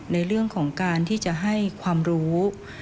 ในเรื่องของการที่จะให้ความรู้